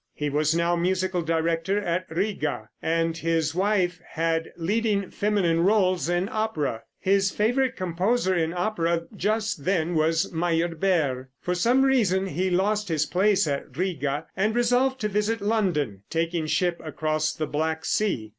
He was now musical director at Riga, and his wife had leading feminine rôles in opera. His favorite composer in opera just then was Meyerbeer. For some reason he lost his place at Riga, and resolved to visit London, taking ship across the Black sea.